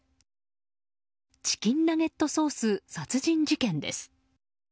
チキンナゲットソース殺人事件です。